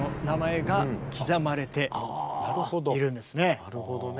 なるほどね。